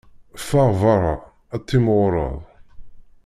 Ffeɣ beṛṛa, timɣureḍ.